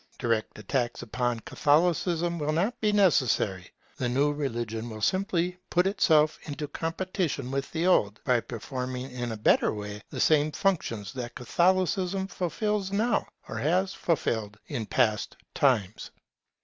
Direct attacks upon Catholicism will not be necessary. The new religion will simply put itself into competition with the old by performing in a better way the same functions that Catholicism fulfils now, or has fulfilled in past times.